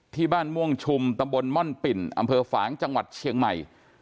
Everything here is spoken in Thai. ที่บ้านม่วงชุมตำบลม่อนปิ่นอำเภอฝางจังหวัดเชียงใหม่